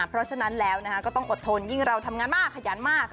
เพราะฉะนั้นแล้วก็ต้องอดทนยิ่งเราทำงานมากขยันมาก